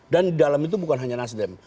di dalam itu bukan hanya nasdem